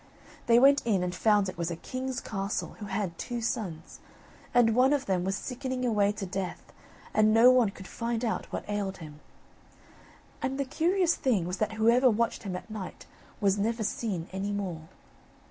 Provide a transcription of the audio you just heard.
They went in and found it was a king's castle, who had two sons, and one of them was sickening away to death and no one could find out what ailed him. And the curious thing was that whoever watched him at night was never seen any more.